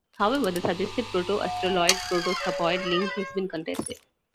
However, the suggested Proto-Australoid-Proto-Capoid link has been contested.